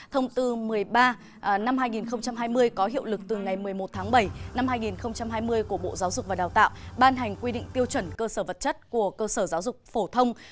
thông tư một mươi ba năm hai nghìn hai mươi có hiệu lực từ ngày một mươi một tháng bảy năm hai nghìn hai mươi của bộ giáo dục và đào tạo ban hành quy định tiêu chuẩn cơ sở vật chất của cơ sở giáo dục phổ thông